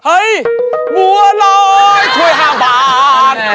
เฮ่ยบัวลอยถ้วยห้ามบาน